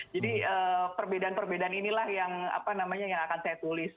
jadi perbedaan perbedaan inilah yang apa namanya yang akan saya tulis